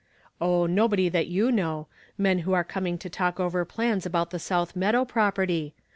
" Oh, nol)ody that you know ; men who are coming to talk over plans about the south meadow property.